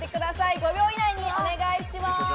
５秒以内にお願いします。